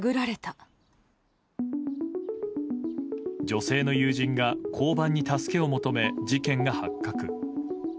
女性の友人が交番に助けを求め、事件が発覚。